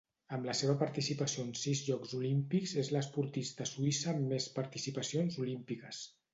Amb la seva participació en sis Jocs Olímpics és l'esportista suïssa amb més participacions olímpiques.